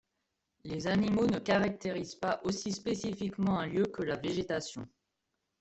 Les animaux ne caractérisent pas aussi spécifiquement un lieu que la végétation.